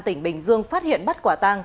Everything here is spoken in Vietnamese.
tỉnh bình dương phát hiện bắt quả tăng